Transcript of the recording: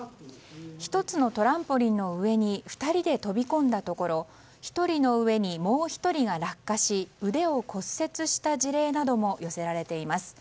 １つのトランポリンの上に２人で飛び込んだところ１人の上にもう１人が落下し腕を骨折した事例なども寄せられています。